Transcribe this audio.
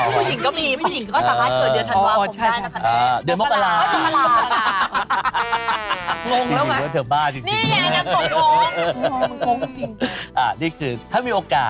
ว่าเธอบ้าจริง